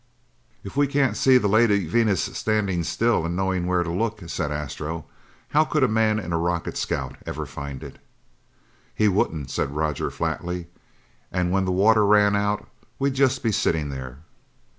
"If we can't see the Lady Venus standing still, and knowing where to look," said Astro, "how could a man in a rocket scout ever find it?" "He wouldn't," said Roger flatly. "And when the water ran out, we'd just be sitting there."